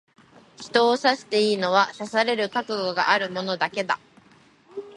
人を刺していいのは、刺される覚悟がある者だけだ。